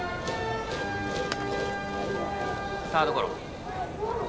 サードゴロ。